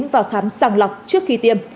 và khám sàng lọc trước khi tiêm